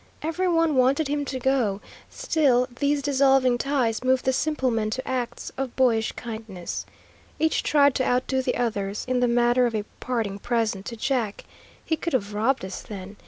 Every one wanted him to go, still these dissolving ties moved the simple men to acts of boyish kindness. Each tried to outdo the others, in the matter of a parting present to Jack. He could have robbed us then.